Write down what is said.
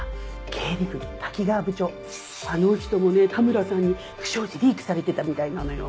経理部の滝川部長あの人もね田村さんに不祥事リークされてたみたいなのよ。